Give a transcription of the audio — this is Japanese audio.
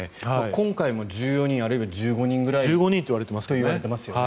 今回も１４人、あるいは１５人といわれていますよね。